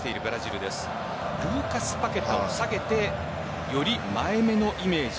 ルーカス・パケタを下げてより前めのイメージ。